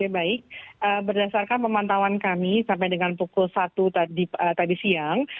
baik berdasarkan pemantauan kami sampai dengan pukul satu tadi siang